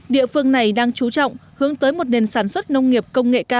địa phương này đang chú trọng hướng tới một nền sản xuất nông nghiệp công nghệ cao